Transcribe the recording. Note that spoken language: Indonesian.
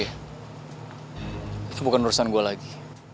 itu bukan urusan gue lagi